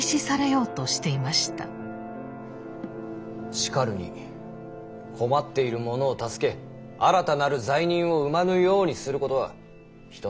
しかるに困っている者を助け新たなる罪人を生まぬようにすることは人の道のみならず社会のためにも。